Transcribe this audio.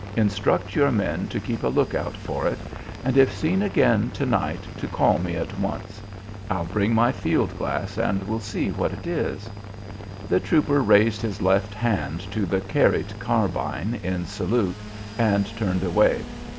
Instruct your men to keep a lookout for it, and if seen again to night to call me at once. I'll bring my field glass and we'll see what it is." The trooper raised his left hand to the "carried" carbine in salute and turned away.